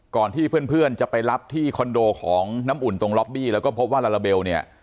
ก่อนที่เพื่อนจะไปรับที่คอนโดของน้ำอุ่นตรงล็อบบี้แล้วก็พบว่าลาลาเบลเนี่ย